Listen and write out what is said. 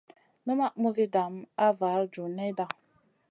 Numaʼ muzi dam a var kam duniyada.